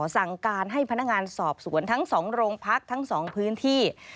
สั่งการให้พนักงานสอบสวนทั้ง๒โรงพักทั้ง๒พื้นที่